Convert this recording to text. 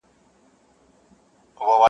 نن به یم سبا بېلتون دی نازوه مي -